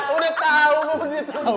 udah tau gue begitu